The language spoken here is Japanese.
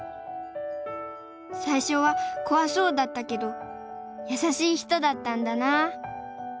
さいしょはこわそうだったけどやさしい人だったんだなぁ。